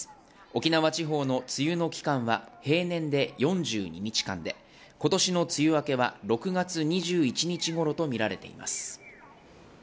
沖縄地方の梅雨の期間は平年で４２日間で今年の梅雨明けは６月２１日ごろとみられています